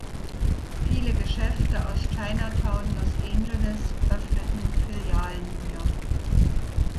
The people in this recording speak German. Viele Geschäfte aus Chinatown, Los Angeles öffneten Filialen hier.